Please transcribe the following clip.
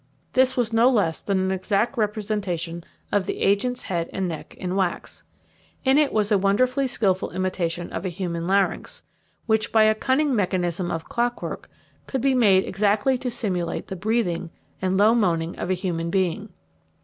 This was no less than an exact representation of the agent's head and neck in wax. In it was a wonderfully skilful imitation of a human larynx, which, by a cunning mechanism of clockwork, could be made exactly to simulate the breathing and low moaning of a human being.